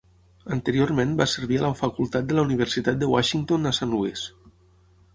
Anteriorment va servir a la facultat de la Universitat de Washington a Saint Louis.